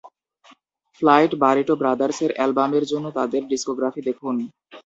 Flying burrito ব্রাদার্সের অ্যালবামের জন্য তাদের ডিস্কোগ্রাফি দেখুন।